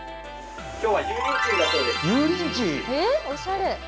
おしゃれ。